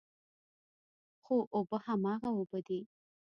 خو اوبه هماغه اوبه دي.